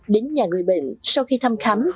đến nhà người bệnh sau khi thăm khám